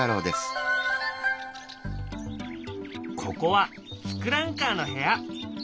ここは「ツクランカー」の部屋。